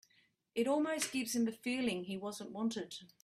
It almost gives him a feeling he wasn't wanted.